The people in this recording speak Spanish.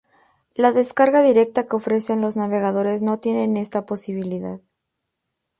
La descarga directa que ofrecen los navegadores no tienen esta posibilidad.